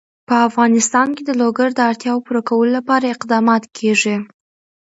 په افغانستان کې د لوگر د اړتیاوو پوره کولو لپاره اقدامات کېږي.